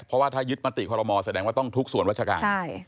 เพราะว่าถ้ายึดมติคอลโมแสดงว่าต้องทุกส่วนราชการ